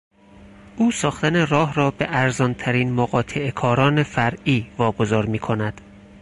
او ساختن راه را به ارزانترین مقاطعهکاران فرعی واگذار میکند.